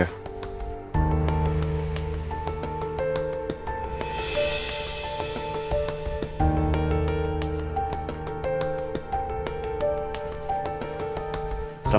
mas al pergi